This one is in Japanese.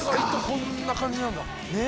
こんな感じなんだ。